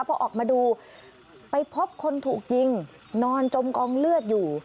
พอออกมาดูไปพบคนถูกยิงนอนจมกองเลือดอยู่